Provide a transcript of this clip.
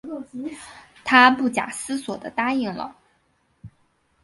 她不假思索地答应了